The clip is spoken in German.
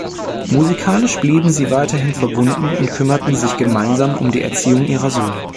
Musikalisch blieben sie weiterhin verbunden und kümmerten sich gemeinsam um die Erziehung ihrer Söhne.